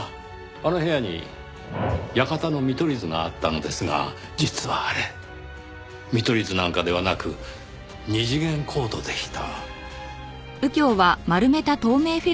あの部屋に館の見取り図があったのですが実はあれ見取り図なんかではなく二次元コードでした。